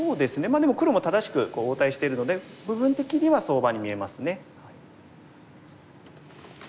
でも黒も正しく応対してるので部分的には相場に見えますね。